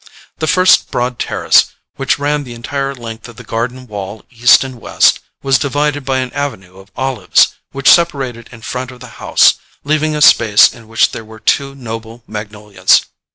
The first broad terrace, which ran the entire length of the garden wall east and west, was divided by an avenue of olives, which separated in front of the house, leaving a space in which were two noble magnolias.